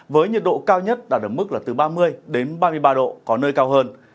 với nhiệt độ cao nhất đạt ở mức là từ ba mươi đến ba mươi ba độ có nơi cao hơn